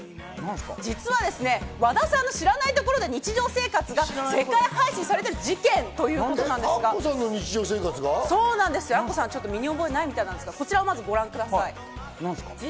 実はですね、和田さんの知らないところで日常生活が世界配信されている事件ということなんですが、アッコさん、身に覚えないみたいですが、こちらをご覧ください。